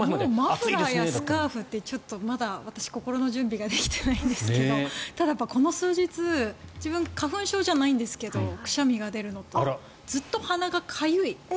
マフラーやスカーフってまだ私心の準備ができてないんですけどただ、この数日自分は花粉症じゃないんですけどくしゃみが出るのとずっと鼻がかゆい。